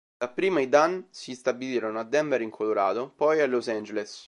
Dapprima, i Dunn si stabilirono a Denver in Colorado, poi a Los Angeles.